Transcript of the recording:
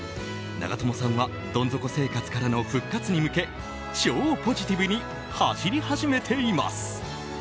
長友さんはどん底生活からの復活に向け超ポジティブに走り始めています。